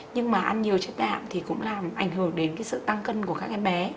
nhưng mà ăn nhiều chất đạm thì cũng làm ảnh hưởng đến cái sự tăng cân của các em bé